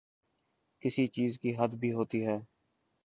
کسی چیز کی حد بھی ہوتی ہے۔